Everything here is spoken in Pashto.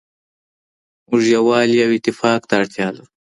موږ یووالي او اتفاق ته اړتیا لرو.